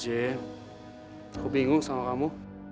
aku bingung sama kamu